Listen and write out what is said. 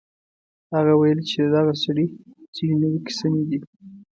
هغه ویل چې د دغه سړي ځینې نیوکې سمې دي.